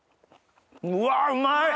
うわうまい！